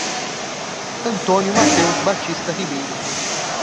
Antônio Mateus Batista Ribeiro